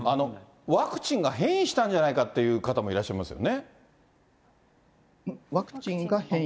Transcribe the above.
ワクチンが変異したんじゃないかっていう方もいらっしゃいまワクチンが変異？